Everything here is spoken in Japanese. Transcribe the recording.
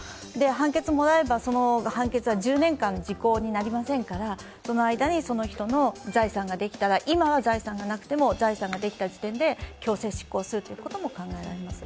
判決をもらえば、その判決は１０年間時効になりませんからその間にその人の財産ができたら、今は財産がなくても財産ができた時点で、強制執行するということも考えられます。